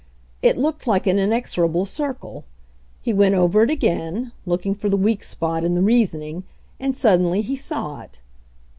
It looked like an in exorable circle. He went over it again, looking for the weak spot in the reasoning — and sud denly he saw it.